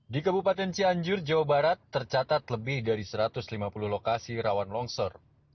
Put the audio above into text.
di kabupaten cianjur jawa barat tercatat lebih dari satu ratus lima puluh lokasi rawan longsor